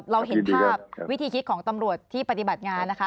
เราเห็นภาพวิธีคิดของตำรวจที่ปฏิบัติงานนะคะ